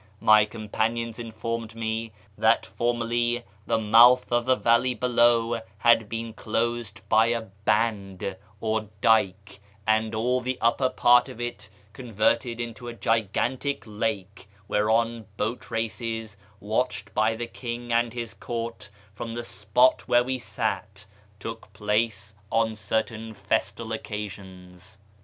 My companions informed me that formerly the mouth of the valley below had been closed by a " hand " or dyke, and all the upper part of it converted into a gigantic lake whereon boat races, watched by the king and his court from the spot where we sat, took place on certain festal occasions.